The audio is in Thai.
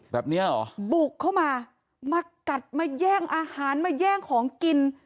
แบบนี้เหรอบุกเข้ามามากัดมาแย่งอาหารมาแย่งของกิน